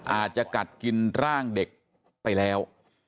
อาจจะกัดกินร่างเด็กไปแล้ว